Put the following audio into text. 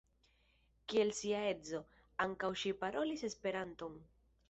Kiel sia edzo, ankaŭ ŝi parolis Esperanton.